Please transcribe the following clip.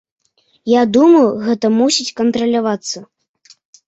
Я думаю, гэта мусіць кантралявацца.